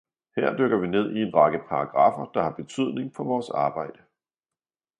Her dykker vi ned i en række paragraffer, der har betydning for vores arbejde